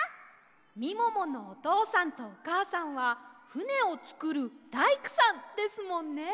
みもものおとうさんとおかあさんはふねをつくるだいくさんですもんね。